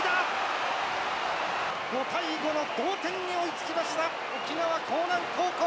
５対５の同点に追いつきました沖縄興南高校。